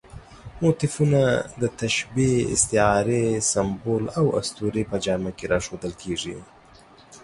موتیفونه د تشبیه، استعارې، سمبول او اسطورې په جامه کې راښودل کېږي.